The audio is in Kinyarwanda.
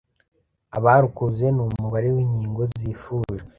abarukoze n'umubare w'inkingo zifujwe